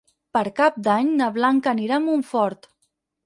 Per Cap d'Any na Blanca anirà a Montfort.